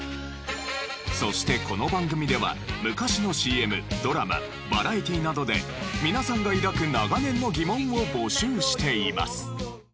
そしてこの番組では昔のＣＭドラマバラエティなどで皆さんが抱く長年の疑問を募集しています。